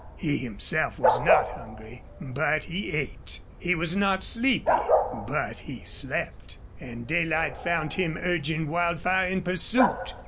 He himself was not hungry, but he ate; he was not sleepy, but he slept. And daylight found him urging Wildfire in pursuit.